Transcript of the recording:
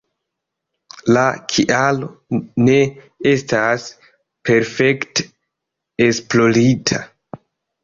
La kialo ne estas perfekte esplorita.